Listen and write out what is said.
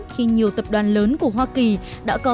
khi nhiều tập đoàn lớn của hoa kỳ đã có